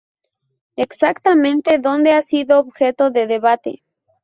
Exactamente dónde ha sido objeto de debate.